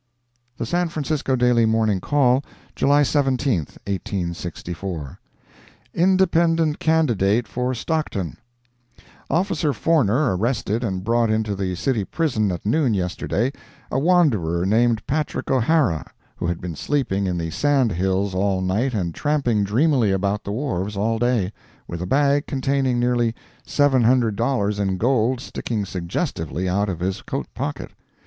The San Francisco Daily Morning Call, July 17, 1864 INDEPENDENT CANDIDATE FOR STOCKTON Officer Forner arrested and brought into the City Prison, at noon yesterday, a wanderer named Patrick O'Hara, who had been sleeping in the sand hills all night and tramping dreamily about the wharves all day, with a bag containing nearly seven hundred dollars in gold sticking suggestively out of his coat pocket.